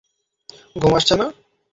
ঘুম আসছে না?